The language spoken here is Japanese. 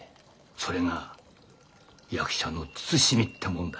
それが役者の慎みってもんだ。